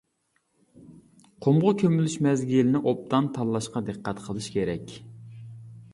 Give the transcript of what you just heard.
قۇمغا كۆمۈلۈش مەزگىلىنى ئوبدان تاللاشقا دىققەت قىلىش كېرەك.